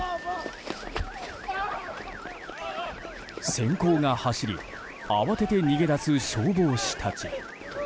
閃光が走り慌てて逃げ出す消防士たち。